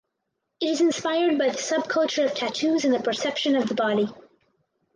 It is inspired by the subculture of tattoos and the perception of the body.